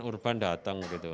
urban datang gitu